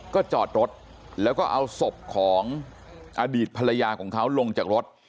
ก็จอดรถแล้วก็เอาศพของอดีตภรรยาของเขาลงจากรถ